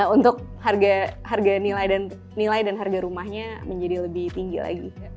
untuk harga nilai dan harga rumahnya menjadi lebih tinggi lagi